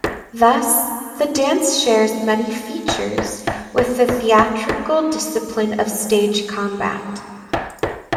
Thus, the dance shares many features with the theatrical discipline of stage combat.